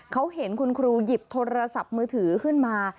เขาเห็นคุณครูหยิบโทรศัพท์มือถือขึ้นมา